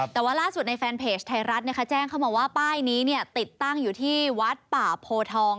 แต่ว่าล่าสุดในแฟนเพจไทยรัฐแจ้งเข้ามาว่าป้ายนี้ติดตั้งอยู่ที่วัดป่าโพทอง